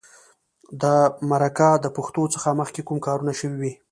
د مرکه د پښتو څخه مخکې کوم کارونه شوي وي.